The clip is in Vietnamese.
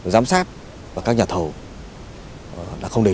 giám sát và các nhà thầu là không đầy đủ